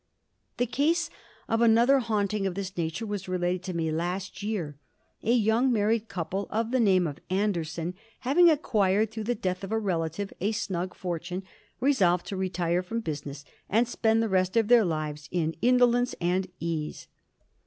The case of another haunting of this nature was related to me last year. A young married couple of the name of Anderson, having acquired, through the death of a relative, a snug fortune, resolved to retire from business and spend the rest of their lives in indolence and ease.